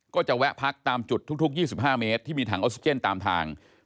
ก็จะแวะพักตามจุดทุก๒๕เมตรที่มีถังออกซิเจนตามทาง